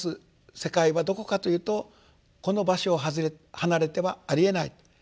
世界はどこかというとこの場所を離れてはありえない。